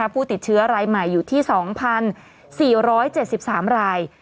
ผู้ติดเชื้อรายใหม่อยู่ที่๒๔๗๓ราย